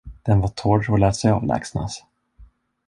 Den var torr och lät sig avlägsnas.